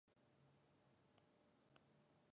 最近のアメリカの情勢は不安定だ。